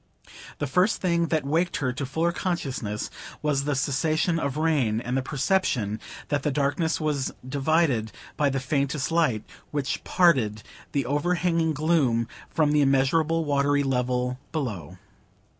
The first thing that waked her to fuller consciousness was the cessation of the rain, and a perception that the darkness was divided by the faintest light, which parted the overhanging gloom from the immeasurable watery level below.